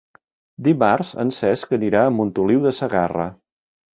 Dimarts en Cesc anirà a Montoliu de Segarra.